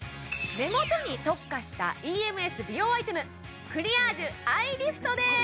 目元に特化したＥＭＳ美容アイテムクリアージュアイリフトです！